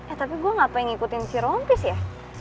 eh tapi gue gak pengen ngikutin si rompis ya